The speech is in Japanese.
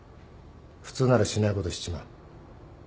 普通ならしないことしちまう。